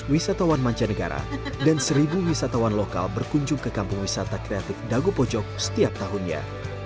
empat ratus wisatawan manca negara dan seribu wisatawan lokal berkunjung ke kampung wisata kreatif dagopojok setiap tahunnya